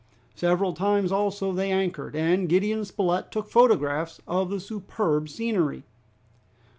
Several times also they anchored, and Gideon Spilett took photographs of the superb scenery.